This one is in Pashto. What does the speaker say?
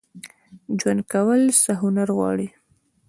ژوند کول څه هنر غواړي؟